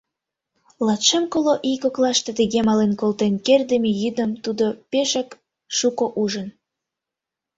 Латшым-коло ий коклаште тыге мален колтен кертдыме йӱдым тудо пешак шуко ужын.